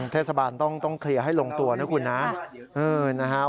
เทศบาลต้องเคลียร์ให้ลงตัวนะคุณนะ